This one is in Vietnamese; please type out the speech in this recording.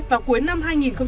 đến năm hai nghìn một mươi bảy